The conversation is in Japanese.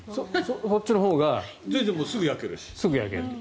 そっちのほうがすぐ焼けると。